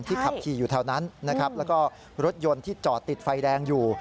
ขับขี่อยู่แถวนั้นนะครับแล้วก็รถยนต์ที่จอดติดไฟแดงอยู่